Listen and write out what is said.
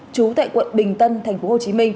trú tại quận bình tân tp hcm